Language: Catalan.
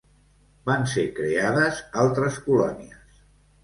Van ser creades altres colònies.